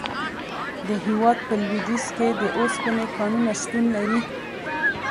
د هیواد په لویدیځ کې د اوسپنې کانونه شتون لري.